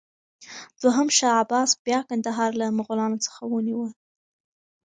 دوهم شاه عباس بیا کندهار له مغلانو څخه ونیوه.